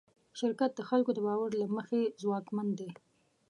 شرکت د خلکو د باور له مخې ځواکمن دی.